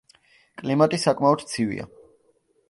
კლიმატი საკმაოდ ცივია.